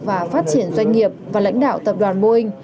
và phát triển doanh nghiệp và lãnh đạo tập đoàn boeing